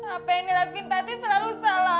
apa yang dilaguin tati selalu salah